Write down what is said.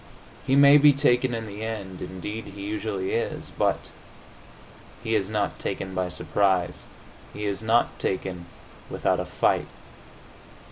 He may be taken in the end indeed, he usually is but he is not taken by surprise; he is not taken without a fight.